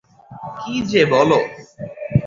কি যে বল।